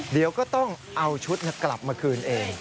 เดี๋ยวก็ต้องเอาชุดกลับมาคืนเอง